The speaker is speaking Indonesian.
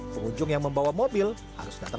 pengunjung yang membawa mobil harus datang